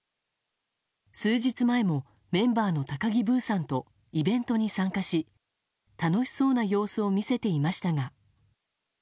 数日前もメンバーの高木ブーさんとイベントに参加し楽しそうな様子を見せていましたが。